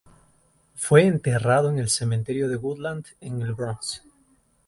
Fue enterrado en el cementerio de Woodlawn en el Bronx.